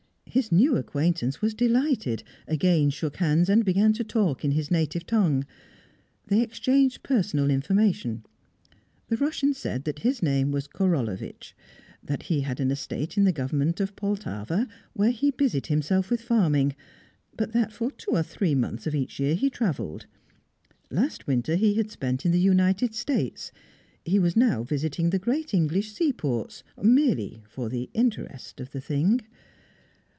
His new acquaintance was delighted, again shook hands, and began to talk in his native tongue. They exchanged personal information. The Russian said that his name was Korolevitch; that he had an estate in the Government of Poltava, where he busied himself with farming, but that for two or three months of each year he travelled. Last winter he had spent in the United States; he was now visiting the great English seaports, merely for the interest of the thing.